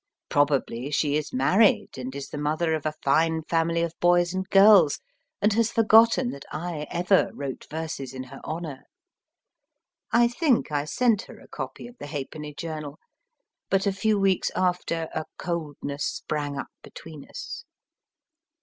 Probably she is married, and is the mother of a fine family of boys and girls, and has forgotten that I ever wrote verses in her honour. I think I sent her a copy of the Halfpenny Journal, but a few weeks after a coldness sprang up between us.